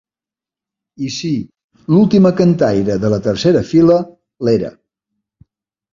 I sí, l'última cantaire de la tercera fila l'era.